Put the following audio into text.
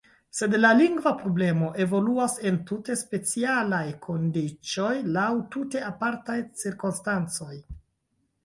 Sed la lingva problemo evoluas en tute specialaj kondiĉoj, laŭ tute apartaj cirkonstancoj.